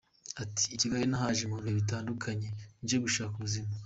Ati “I Kigali nahaje mu bihe bitandukanye nje gushaka ubuzima.